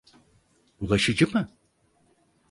Bulaşıcı mı?